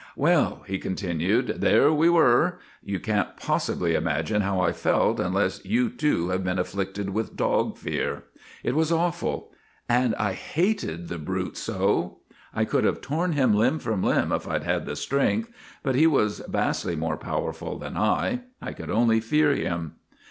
" Well," he continued, " there we were. You can't possibly imagine how I felt unless you, too, have been afflicted with dog fear. It was awful. And I hated the brute so. I could have torn him limb from limb if I had had the strength. But he was vastly more powerful than I. I could only fear him.